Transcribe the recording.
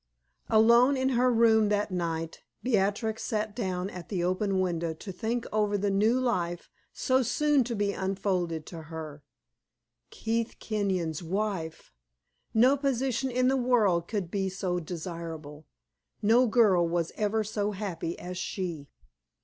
Alone in her room that night, Beatrix sat down at the open window to think over the new life so soon to be unfolded to her. Keith Kenyon's wife! No position in the world could be so desirable; no girl was ever so happy as she.